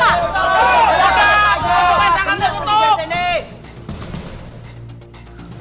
bapak sanggang udah tutup